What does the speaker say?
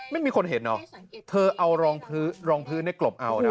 ไม่มีคนเห็นอ่ะเธอเอารองพื้นได้กลบเอานะ